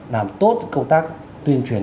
làm tốt công tác tuyên truyền